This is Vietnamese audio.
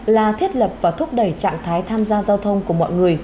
là thiết lập và thúc đẩy trạng thái tham gia giao thông của mọi người